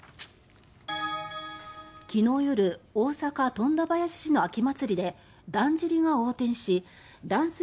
昨日夜、大阪府富田林市の秋祭りでだんじりが横転し男性